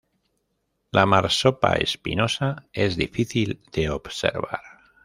La marsopa espinosa es difícil de observar.